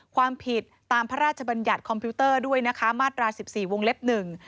ความผิดตามพระราชบัญญัติคอมพิวเตอร์มาตรา๑๔วงเล็บหนึ่ง